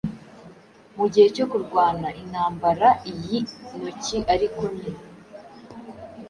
Mugihe cyo kurwana intambaraiyi ntoki ariko ni